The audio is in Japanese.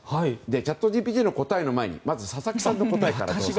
チャットＧＰＴの答えの前にまず佐々木さんの答えから。